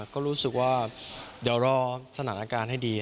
ก็รู้สึกว่าเดี๋ยวรอสถานการณ์ให้ดี